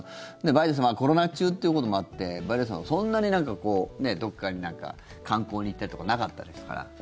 バイデンさんもコロナ中ということもあってバイデンさんも、そんなにどこかに観光に行ったりとかなかったですから。